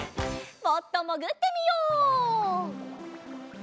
もっともぐってみよう。